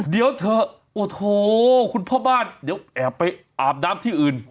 เดี๋ยวเถอะโอ้โหคุณพ่อบ้านเดี๋ยวแอบไปอาบน้ำที่อื่น